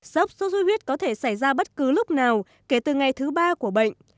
sốc sốt xuất huyết có thể xảy ra bất cứ lúc nào kể từ ngày thứ ba của bệnh